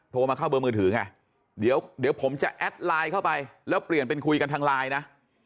โทรมาเข้าเบอร์มือถือไงเดี๋ยวผมจะแอดไลน์เข้าไปแล้วเปลี่ยนเป็นคุยกันทางไลน์นะ